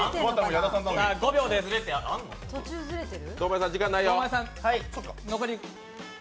途中ずれてる？